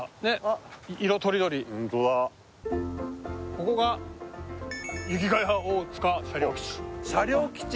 ここが雪が谷大塚車両基地車両基地？